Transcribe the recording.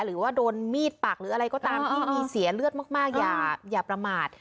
หรือว่าโดนมีดปักหรืออะไรก็ตามที่มีเสียเลือดมากอย่าประมาท